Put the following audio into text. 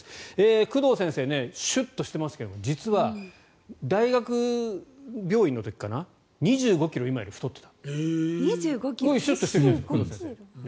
工藤先生、シュッとしてますが実は大学病院の時かな２５ｋｇ今より太っていた。